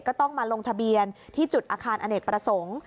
ก็ต้องมาลงทะเบียนที่จุดอาคารอเนกประสงค์